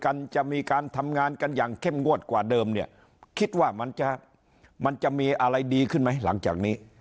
จะมีการทำงานกันอย่างเข้มงวดกว่าเดิมเนี่ยคิดว่ามันจะมันจะมีอะไรดีขึ้นไหมหลังจากนี้